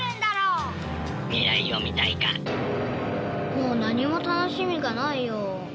もう何も楽しみがないよ。